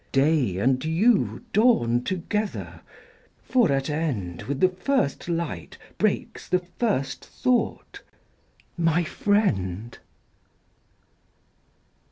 Day and you dawn together; for, at end, With the first light breaks the first thought—my Friend.